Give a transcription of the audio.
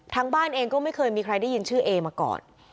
บ้านเองก็ไม่เคยมีใครได้ยินชื่อเอมาก่อน